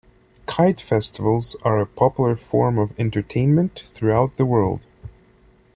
Kite festivals are a popular form of entertainment throughout the world.